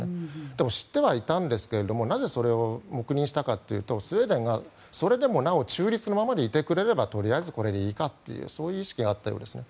でも知ってはいたんですがなぜ、それを黙認したかというとスウェーデンがそれでもなお中立のままでいてくれればとりあえずこれでいいかというそういう意識があったようですね。